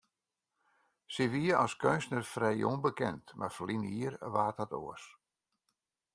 Sy wie as keunstner frij ûnbekend, mar ferline jier waard dat oars.